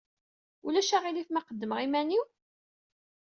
Ulac aɣilif ma qeddmeɣ iman-iw?